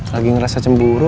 lagi ngerasa cemburu